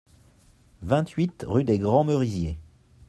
vingt-huit rue des Grands Merisiers